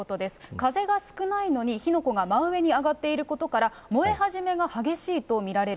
風が少ないのに、火の粉が真上に上がっていることから、燃え始めが激しいと見られる。